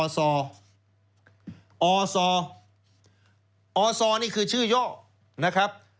อศอนี่คือชื่อย่อนะครับ